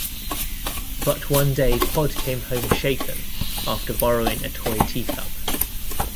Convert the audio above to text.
But one day Pod came home shaken after borrowing a toy tea cup.